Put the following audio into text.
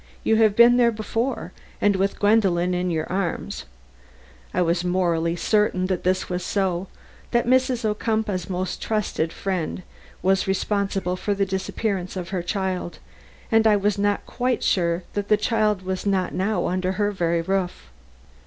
You have been there before, and with Gwendolen in your arms," I was morally certain that this was so; that Mrs. Ocumpaugh's most trusted friend was responsible for the disappearance of her child, and I was not quite sure that the child was not now under her very roof.